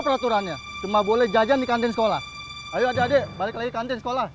peraturannya cuma boleh jajan di kantin sekolah ayo adik adik balik lagi kantin sekolah